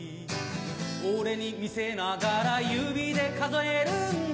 俺に見せながら指で数えるんだ